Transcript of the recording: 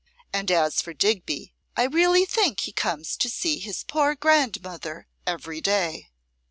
And as for Digby, I really think he comes to see his poor grandmother every day.